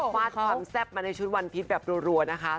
ฟาดความแซ่บมาในชุดวันพิษแบบรัวนะคะ